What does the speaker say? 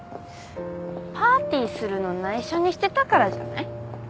パーティーするのないしょにしてたからじゃない？